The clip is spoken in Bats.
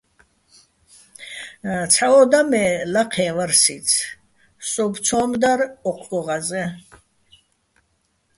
ცჰ̦ა ო და მე́, ლაჴეჼ ვარ სიძ, სოუბო̆ ცო́მ დარ ო́ჴგო ღაზეჼ.